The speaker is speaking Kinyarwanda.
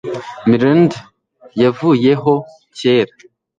mrnd yavuyeho kera